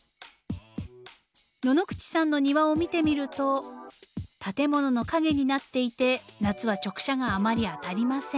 野々口さんの庭を見てみると建物の陰になっていて夏は直射があまり当たりません。